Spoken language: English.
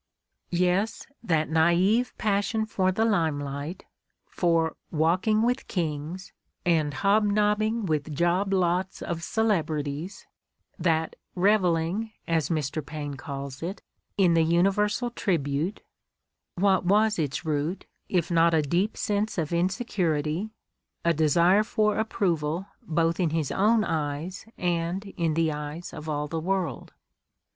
^ Yes, that naive passion for the limelight, for "walk ing with kings" and hobnobbing with job lots of celeb rities, that "revelling," as Mr. Paine calls it, "in the universal tribute" — what was its root if not a deep sense of insecurity, a desire for approval both in his own eyes and in the eyes of all the world?